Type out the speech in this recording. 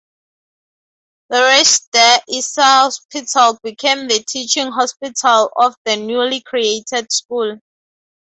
The Rechts der Isar Hospital became the teaching hospital of the newly created School.